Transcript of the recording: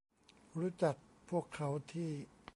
รู้จักพวกเขาที่